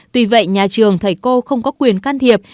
tuy vậy nhà trường thầy cô không có quyền can thiệp